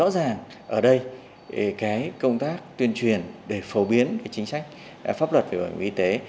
rõ ràng ở đây cái công tác tuyên truyền để phổ biến cái chính sách pháp luật về bảo hiểm y tế